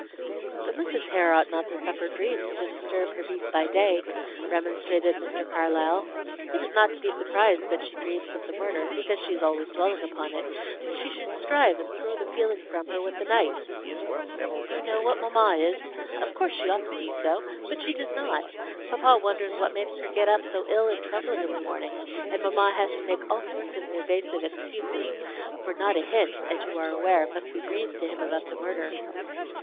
"But Mrs. Hare ought not to suffer dreams to disturb her peace by day," remonstrated Mr. Carlyle. "It is not to be surprised at that she dreams of the murder, because she is always dwelling upon it; but she should strive and throw the feeling from her with the night." "You know what mamma is. Of course she ought to do so, but she does not. Papa wonders what makes her get up so ill and trembling of a morning; and mamma has to make all sorts of evasive excuses; for not a hint, as you are aware, must be breathed to him about the murder." Mr.